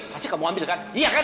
pasti kamu ambil kan iya kan